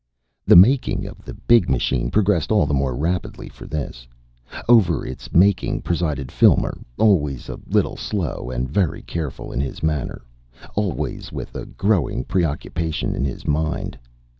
The making of the big machine progressed all the more rapidly for this. Over its making presided Filmer, always a little slow and very careful in his manner, always with a growing preoccupation in his mind.